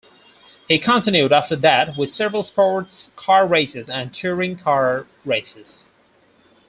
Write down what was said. He continued after that with several sports car races and touring car races.